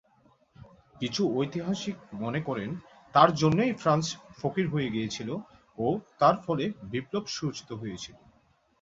কিছু ঐতিহাসিক মনে করেন, তার জন্যই ফ্রান্স ফকির হয়ে গিয়েছিল ও তার ফলে বিপ্লব সূচিত হয়েছিল।